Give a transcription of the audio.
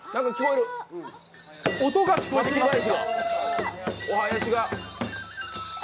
音が聞こえてきました！